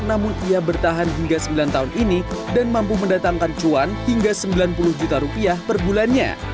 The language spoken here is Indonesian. namun ia bertahan hingga sembilan tahun ini dan mampu mendatangkan cuan hingga sembilan puluh juta rupiah per bulannya